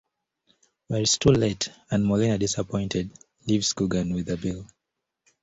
But it is too late and Molina, disappointed, leaves Coogan with the bill.